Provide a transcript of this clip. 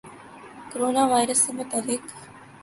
corona virus سے متعلق